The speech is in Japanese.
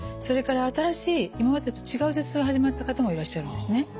それから新しい今までと違う頭痛が始まった方もいらっしゃるんですね。